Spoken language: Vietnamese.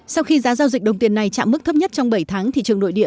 sau khi giá giao dịch đồng tiền này chạm mức thấp nhất trong bảy tháng thị trường nội địa